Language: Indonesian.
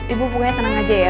ibu pokoknya tenang aja ya